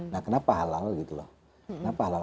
nah kenapa halal gitu loh kenapa halal